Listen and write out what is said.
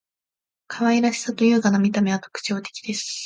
可愛らしさと優雅な見た目は特徴的です．